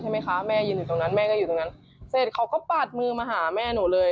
ว้างโป้นใหญ่เลย